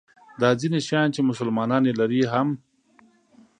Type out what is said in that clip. دا ځیني شیان چې مسلمانان یې لري هم.